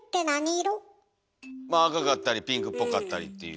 まあ赤かったりピンクっぽかったりっていう。